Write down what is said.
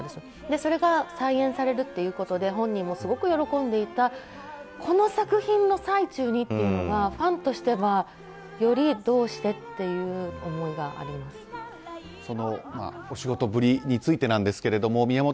それが再演されるということで本人もすごく喜んでいたこの作品の最中にっていうのがファンとしてはよりどうして？というお仕事ぶりについてなんですが宮本亞